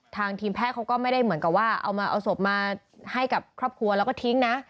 ทางทีมแพทย์เขาก็ไม่ได้เหมือนกับว่าเอามาเอาศพมาให้กับครอบครัวแล้วก็ทิ้งนะ